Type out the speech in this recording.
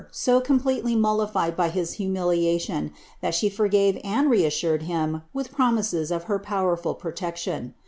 _a completely mollified by his humiliation, that she ^a^ gave and reassured liim with promises of her powerful proiection.